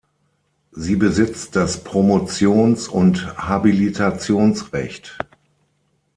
Sie besitzt das Promotions- und Habilitationsrecht.